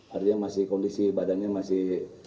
artinya masih kondisi badannya masih